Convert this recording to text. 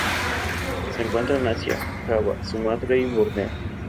Se encuentran en Asia: Java, Sumatra y Borneo.